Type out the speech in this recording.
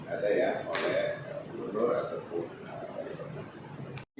ada yang oleh belur belur ataupun lain lain